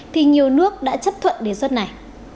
thì nhiều nước đã chấp thuận đề xuất này